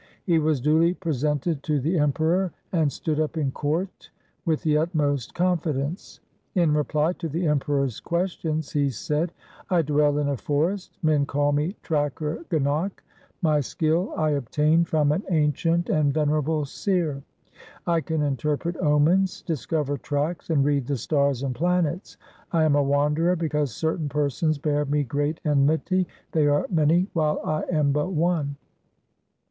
He was duly presented to the Emperor, and stood up in court with the utmost confi dence. In reply to the Emperor's questions he said, ' I dwell in a forest. Men call me " Tracker Ganak." My skill I obtained from an ancient and venerable seer. I can interpret omens, discover tracks, and read the stars and planets. I am a wanderer because certain persons bear me great enmity. They are many while I am but one.